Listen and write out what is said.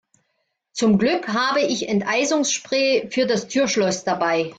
Zum Glück habe ich Enteisungsspray für das Türschloss dabei.